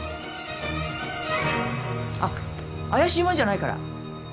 あっ怪しいもんじゃないから。